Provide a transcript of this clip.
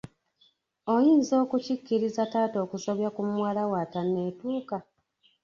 Oyinza okukikkiriza taata okusobya ku muwala we atanneetuuka?